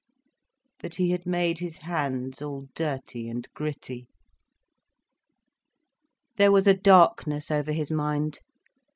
But he had made his hands all dirty and gritty. There was a darkness over his mind.